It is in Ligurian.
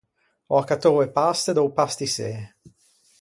Ò accattou e paste da-o pastissê.